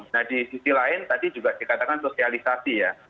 nah di sisi lain tadi juga dikatakan sosialisasi ya